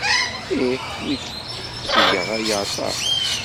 Ih, nekk ttgeɣ aya aṭas.